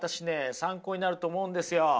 参考になると思うんですよ。